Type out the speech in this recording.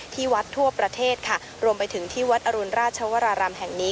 ที่วัดทั่วประเทศค่ะรวมไปถึงที่วัดอรุณราชวรารามแห่งนี้